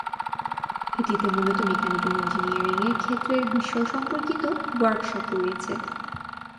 এটিতে মূলত মেকানিকাল ইঞ্জিনিয়ারিংয়ের ক্ষেত্রের বিষয় সম্পর্কিত ওয়ার্কশপ রয়েছে।